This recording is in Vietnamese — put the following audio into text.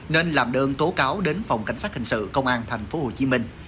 nên làm đơn tố cáo đến phòng cảnh sát hình sự công an tp hcm